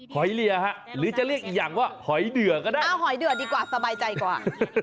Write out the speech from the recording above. หอยเลียฮะหรือจะเรียกอีกอย่างว่าหอยเดือก็ได้หอยเดือดีกว่าสบายใจกว่า